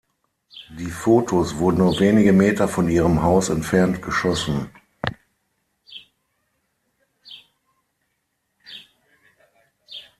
Die Fotos wurden nur wenige Meter von ihrem Haus entfernt geschossen.